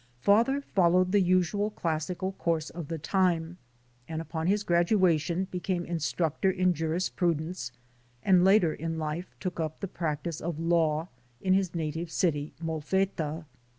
Father followed the usual classical course of the time, and upon his graduation, became instructor in jurisprudence, and later in life took up the prac tice of law in his native city, Molfetta.